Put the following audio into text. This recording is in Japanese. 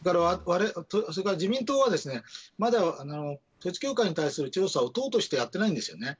それから自民党はまだ、統一教会に対する調査を党としてやっていないんです。